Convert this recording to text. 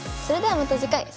それではまた次回。